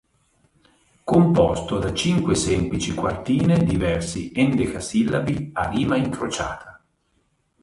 Composto da cinque semplici quartine di versi endecasillabi a rima incrociata.